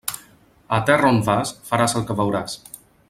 A terra on vas, faràs el que veuràs.